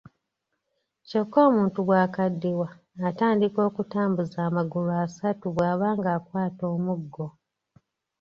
Kyokka omuntu bw'akaddiwa atandika okutambuza amagulu asatu bw'aba ng'akwata omuggo.